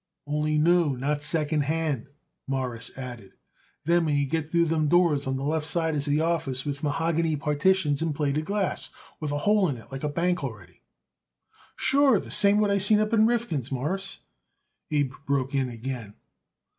"Only new, not second hand," Morris added. "Then, when you get through them doors, on the left side is the office with mahogany partitions and plated glass, with a hole into it like a bank already." "Sure! The same what I seen it up at Rifkin's, Mawruss," Abe broke in again.